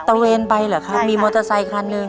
ระเวนไปเหรอครับมีมอเตอร์ไซคันหนึ่ง